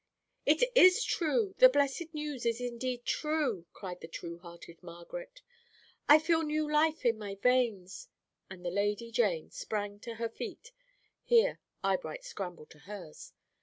"'It is true the blessed news is indeed true,' cried the true hearted Margaret. "'I feel new life in my veins;' and the Lady Jane sprang to her feet." Here Eyebright scrambled to hers.